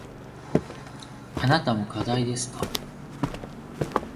あなたも課題ですか。